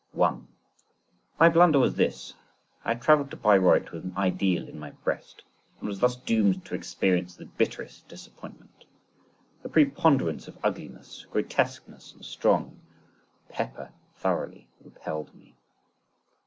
My blunder was this, I travelled to Bayreuth with an ideal in my breast, and was thus doomed to experience the bitterest disappointment. The preponderance of ugliness, grotesqueness and strong pepper thoroughly repelled me.